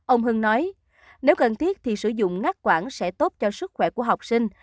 ông hưng nói nếu cần thiết thì sử dụng ngát quản sẽ tốt cho sức khỏe của học sinh